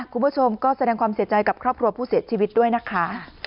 คุณผู้ชมก็แสดงความเสียใจกับครอบครัวผู้เสียชีวิตด้วยนะคะ